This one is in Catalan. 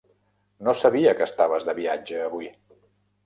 No sabia que estaves de viatge avui.